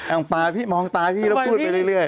ปลาพี่มองตาพี่แล้วพูดไปเรื่อย